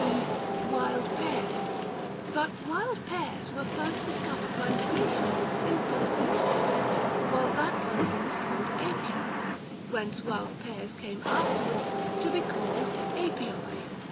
e. wild pears ? But wild pears were first discovered by the Grecians in Pelo ponnesus, while that country was called Apia, whence wild pears came afterwards to be called artioi.